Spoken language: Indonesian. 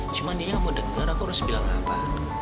cuma dia gak mau denger aku harus bilang apa